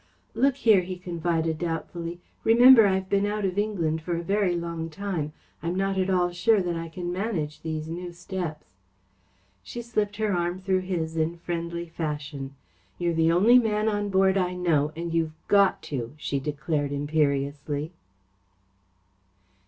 "Look here," he confided doubtfully, "remember I've been out of England for a very long time. I'm not at all sure that I can manage these new steps." She slipped her arm through his in friendly fashion. "You're the only man on board I know, and you've got to," she declared imperiously.